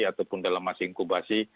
ataupun dalam masa inkubasi